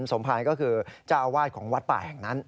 สมภายก็คือเจ้าอาวาสของวัดป่าแห่งนั้น